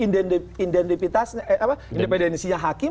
di independensinya hakim